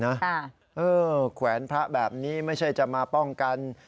เออแขวนพระแบบนี้ไม่ใช่จะมาป้องกัน